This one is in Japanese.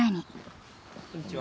こんにちは。